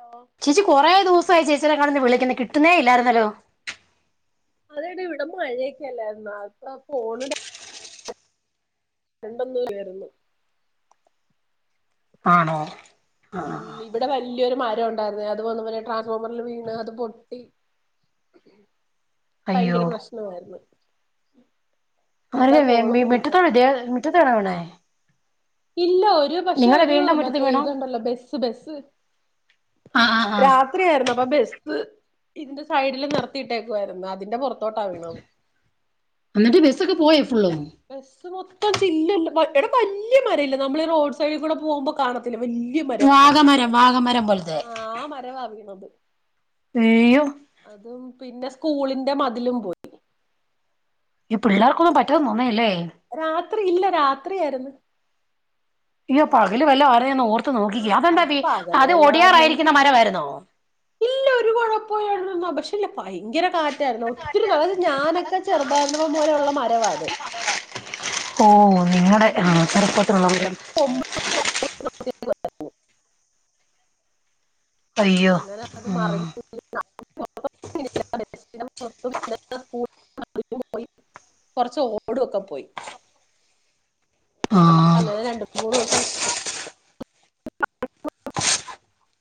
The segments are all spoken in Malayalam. ഹലോ ചേച്ചി കുറെേ ദിവസമായി ചേച്ചിനനെ കന്ന് വിളിക്കുന്ന കിട്ടുന്നേ ഇല്ലായിരുന്നല്ലോ അതെട്ട ഇവിടെ മഴയൊക്കെല്ലരുന്നാ ഇപ്പൊ ഫോണ രണ്ടന്നൂയിരുന്നു ആണോ ആ ഉം ഇവിടെ വലിയൊരു മരം ഉണ്ടായിരുന്നേ അത് വന്ന പറന്നെ ട്രാൻസ്ഫോമറിൽ വീണ് അത് പൊട്ടി അയ്യോ ഭയങ്കര പ്രശ്നമാരുന്നു. അവരെ അവ മി മിറ്റത്താണ ദേ മിറ്റത്താണ വീണേ? ഇല്ല ഒരു പക്ഷെ നിങ്ങളുടെ ഒരു വീടിന്റെ മുറ്റത്ത് മറ്റേ വീണോ ഇതുണ്ടല്ലോ ബസ്സ് ബസ്സ് ആ ആ ആ രാത്രി ആയിരുന്നു അപ്പൊ ബസ് ഇതിന്റെ സൈഡില് നിത്തിട്ടേക്കുായിരുന്നു അതിന്റെ പുറ എന്നിട്ട് ബസ്സൊക്കെ പോയേ ഫുള്ളും? ബസ്സ് മൊത്തം ചില്ല എട വല്യ, മരല്ലെ, നമ്മള് ഈ റോഡ് സൈഡിൽ കൂടെ പോകുമ്പോ കാണത്തില്ലെ വല്യ മരം. വാഗമരം വാഗമരം പോലത്തെ ആഹ്, ആഹ് മരവ വിണത് അയ്യോ? പിന്നെ, സ്കൂളിന്റെ മതിലും പോയി. ഈ പിള്ളേർക്കും [unintelligible] ല്ലേ. രാത്രി, ഇല്ല, രാത്രി ആയിരുന്നു. ഇല്ല പകല് വല്ല. നീ ഒന്ന് ഓർത്ത് നോക്കിക്ക, ആഹ് അതെന്താ അയ്യോ ദീ, പകല് അത്, ഒടിയാറായിയിരിക്കുന്ന മരമായിരുന്നോ? ഇല്ല ഒരു കുഴപ്പോ [unintelligible] പക്ഷേല്ല ഭയങ്കര കാ റ്റ ഒത്തിരി നത് ഞാനൊക്കെ ചെറുതായിം പോലെയ ഉള്ള മരവാത്. [unintelligible] [unintelligible] അയ്യോ അങ്ങനെ അത് ആ മറിഞ്ഞ [unintelligible] [inaudible] പോയി. കൊറച്ച് ഓട് ഒക്കെ പോയി. ആ അപ്പൊ അങ്ങനെ രണ്ട മൂന്ന് ദിവസം [unintelligible]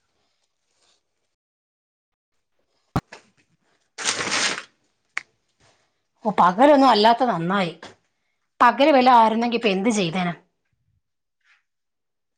[unintelligible] പകലൊന്നും അല്ലാത്തത് നന്നായി പകരു വില ആരുന്നെങ്കി പ്പ എന്ത് ചെയ്തേന? [unintelligible]